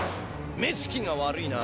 目つきが悪いな。